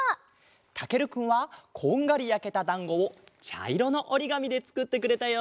たけるくんはこんがりやけただんごをちゃいろのおりがみでつくってくれたよ。